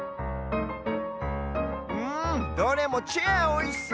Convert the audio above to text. うんどれもチェアおいしそう！